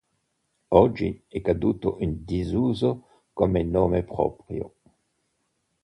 Oggi è caduto in disuso come nome proprio.